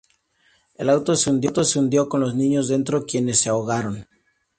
El auto se hundió con los niños dentro, quienes se ahogaron.